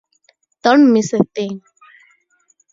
Don't miss a thing.